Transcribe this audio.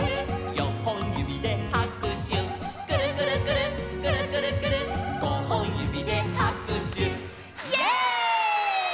「よんほんゆびではくしゅ」「くるくるくるっくるくるくるっ」「ごほんゆびではくしゅ」イエイ！